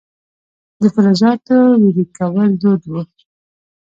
د فلزاتو ویلې کول دود و